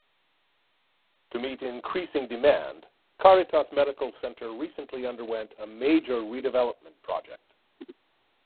To meet increasing demand, Caritas Medical Centre recently underwent a major redevelopment project.